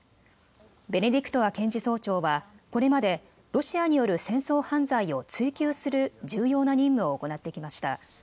ベネディクトワ検事総長はこれまでロシアによる戦争犯罪を追及する重要な任務を行ってきました。